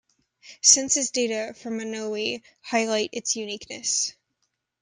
Census data for Monowi highlight its uniqueness.